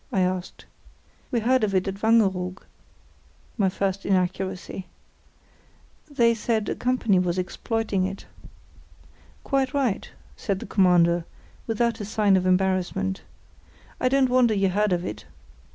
I asked. "We heard of it at Wangeroog" (my first inaccuracy). "They said a company was exploiting it." "Quite right," said the Commander, without a sign of embarrassment. "I don't wonder you heard of it.